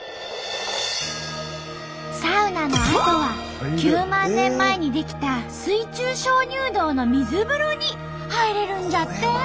サウナのあとは９万年前に出来た水中鍾乳洞の水風呂に入れるんじゃって！